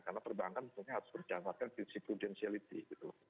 karena perbankan tentunya harus mencapai prudensiality gitu